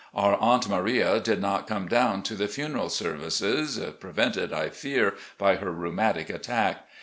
Our Aunt Maria did not come down to the funeral services, prevented, I fear, by her rheumatic attack.